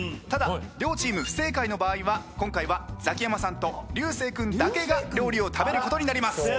ただ両チーム不正解の場合は今回はザキヤマさんと流星君だけが料理を食べることになります。